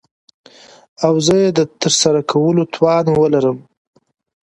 او زه يې دترسره کولو توان وه لرم .